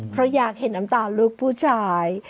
เพราะอยากเห็นน้ำตาลูกผู้ชาย